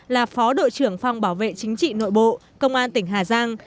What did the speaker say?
là phó đội trưởng phòng bảo vệ chính trị nội bộ công an tỉnh hà giang